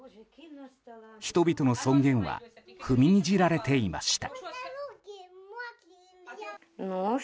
人々の尊厳は踏みにじられていました。